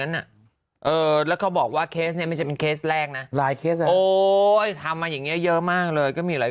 แล้วเขาบอกว่าเคสนี้ไม่ใช่เป็นเคสแรกนะหลายเคสเลยโอ้ยทำมาอย่างเงี้เยอะมากเลยก็มีหลาย